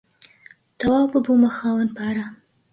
تەواو ببوومە خاوەن پارە.